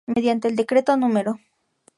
Mediante el Decreto No.